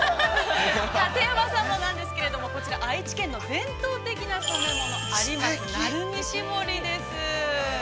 ◆館山さんもなんですけれども、こちら、愛知県の伝統的な染め物、有松・鳴海絞りです。